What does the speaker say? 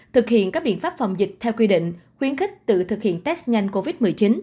thực hiện các biện pháp phòng dịch theo quy định khuyến khích tự thực hiện test nhanh covid một mươi chín